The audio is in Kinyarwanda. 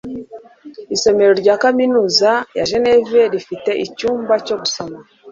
isomero rya kaminuza ya jeneve rifite icyumba cyo gusoma